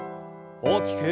大きく。